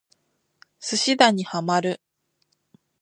寿司打にハマる